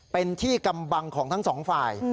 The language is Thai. เป็นที่กำบังของทั้งสองฝ่าย